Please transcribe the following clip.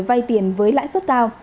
vai tiền với lãi suất cao